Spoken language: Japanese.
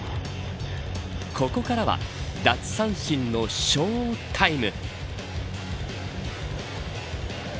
ここからは奪三振のショータイム。